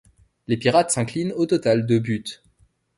Les Pirates s'inclinent au total de buts.